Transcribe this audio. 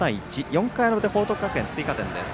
４回の表、報徳学園、追加点です。